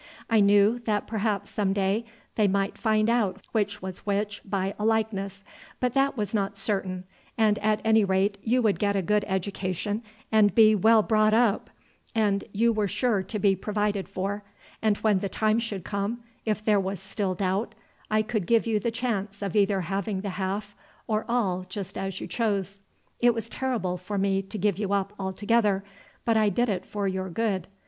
I knew that perhaps some day they might find out which was which by a likeness, but that was not certain, and at any rate you would get a good education and be well brought up, and you were sure to be provided for, and when the time should come, if there was still doubt, I could give you the chance of either having the half or all just as you chose. It was terrible for me to give you up altogether, but I did it for your good.